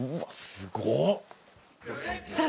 すごい！